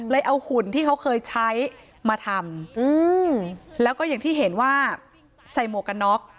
เอาหุ่นที่เขาเคยใช้มาทำแล้วก็อย่างที่เห็นว่าใส่หมวกกันน็อก